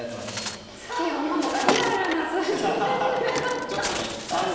リアルな数字ですね。